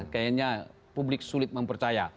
kayaknya publik sulit mempercaya